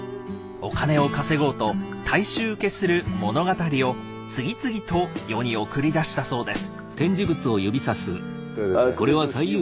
お金を稼ごうと大衆受けする物語を次々と世に送り出したそうです。